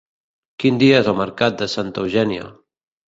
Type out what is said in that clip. Quin dia és el mercat de Santa Eugènia?